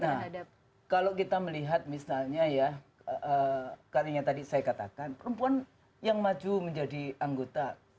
nah kalau kita melihat misalnya ya karena tadi saya katakan perempuan yang maju menjadi anggota